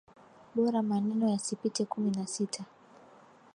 Bora maneno yasipite kumi na sita.